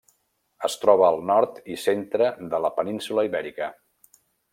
Es troba al nord i centre de la península Ibèrica.